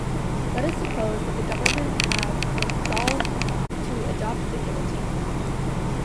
Let us suppose that the Government have resolved to adopt the guillotine.